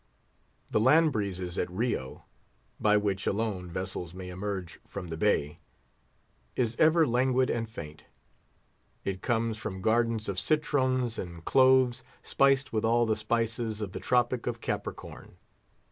The land breezes at Rio—by which alone vessels may emerge from the bay—is ever languid and faint. It comes from gardens of citrons and cloves, spiced with all the spices of the Tropic of Capricorn.